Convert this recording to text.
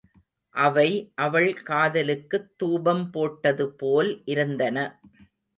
அவை அவள் காதலுக்குத் துாபம் போட்டதுபோல் இருந்தன.